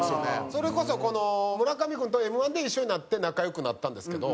それこそ村上君とはＭ−１で一緒になって仲良くなったんですけど。